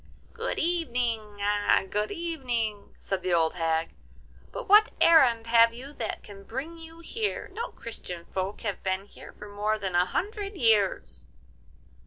'Good evening! good evening!' said the old hag; 'but what errand have you that can bring you here? No Christian folk have been here for more than a hundred years.